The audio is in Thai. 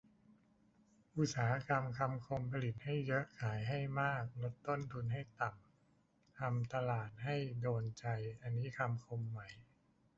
อุตสาหกรรมคำคม ผลิตให้เยอะ ขายให้มาก ลดต้นทุนให้ต่ำ ทำตลาดให้โดนใจ อันนี้ คม ไหม ?